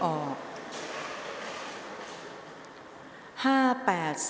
ออกรางวัลที่๖เลขที่๘